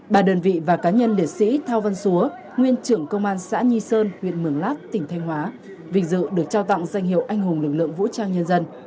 bà đơn vị và cá nhân liệt sĩ thao văn xúa nguyên trưởng công an xã nhi sơn huyện mường lát tỉnh thanh hóa vinh dự được trao tặng danh hiệu anh hùng lực lượng vũ trang nhân dân